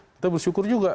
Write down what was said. kita bersyukur juga